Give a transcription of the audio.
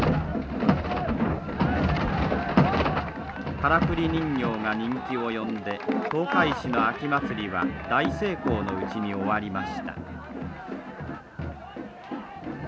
からくり人形が人気を呼んで東海市の秋祭りは大成功のうちに終わりました。